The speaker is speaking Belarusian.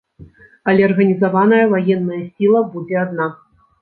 Але арганізаваная ваенная сіла будзе адна.